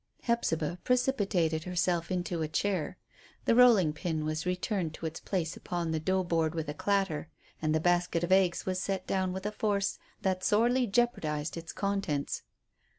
Hephzibah precipitated herself into a chair. The rolling pin was returned to its place upon the dough board with a clatter, and the basket of eggs was set down with a force that sorely jeopardized its contents.